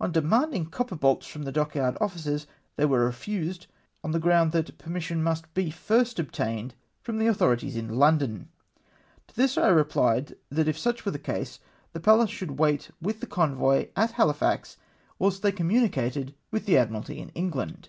On demanchng copper bolts from the dockyard officers, they were refused, on the ground that permission must be first obtained from the authorities in London ! To this I replied, that if such were the case, the Pallas should wait with the convoy at Hahfax whilst they communicated with the Admiralty in England !